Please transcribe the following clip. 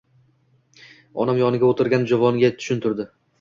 Onam yoniga o‘tirgan juvonga tushuntirdi.